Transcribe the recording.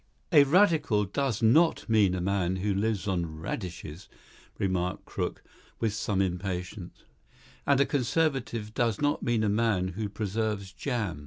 "A radical does not mean a man who lives on radishes," remarked Crook, with some impatience; "and a Conservative does not mean a man who preserves jam.